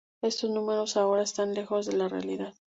Estos números ahora están lejos de la realidad.